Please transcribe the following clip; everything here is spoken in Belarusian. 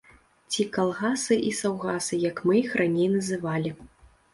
Ці калгасы і саўгасы, як мы іх раней называлі.